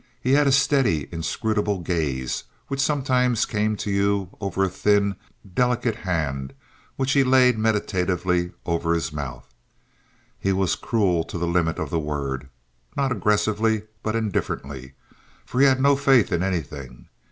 He had a steady, inscrutable gaze which sometimes came to you over a thin, delicate hand, which he laid meditatively over his mouth. He was cruel to the limit of the word, not aggressively but indifferently; for he had no faith in anything.